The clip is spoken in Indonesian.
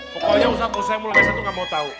pokoknya ustaz ustaz yang mulai ngerasa tuh gak mau tau